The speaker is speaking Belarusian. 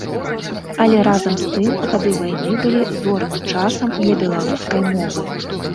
Але разам з тым гады вайны былі зорным часам для беларускай мовы.